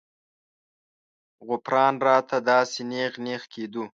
غوپران راته داسې نېغ نېغ کېدو.